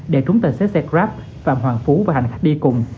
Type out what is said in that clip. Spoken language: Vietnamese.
để trúng tài xế xe grab phạm hoàng phú và hành khách đi cùng